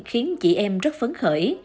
khiến chị em rất phấn khởi